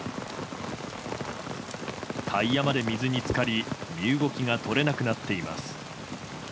タイヤまで水に浸かり身動きが取れなくなっています。